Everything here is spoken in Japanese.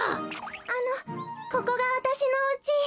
あのここがわたしのおうち。